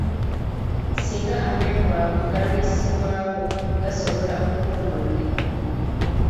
Singa amenvu ago galwisibwawo, gasobola okwonooneka.